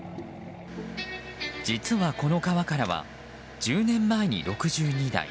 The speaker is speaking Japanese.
実はこの川からは１０年前に６２台。